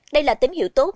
đây là tín hiệu tốt